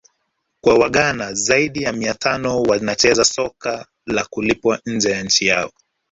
Kuna waghana zaidi ya mia tano wanacheza soka la kulipwa nje ya nchi yao